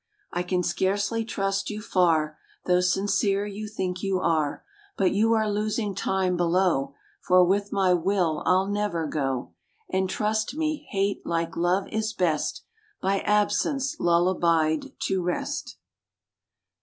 I can scarcely trust you far, Though sincere you think you are; But you are losing time below, For with my will I'll never go. And trust me, hate, like love, is best By absence lullabied to rest."